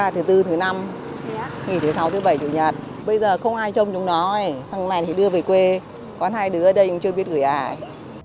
thứ bốn thứ năm nghỉ thứ sáu thứ bảy chủ nhật bây giờ không ai trông chúng nó này thì đưa về quê quán hai đứa ở đây chưa biết gửi ai